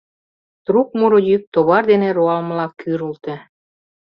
Трук муро йӱк товар дене руалмыла кӱрылтӧ.